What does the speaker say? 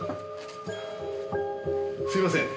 すいません。